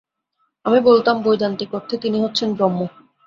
আমি বলতাম, বৈদান্তিক অর্থে তিনি হচ্ছেন ব্রহ্ম।